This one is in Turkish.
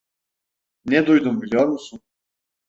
Ne duydum biliyor musun?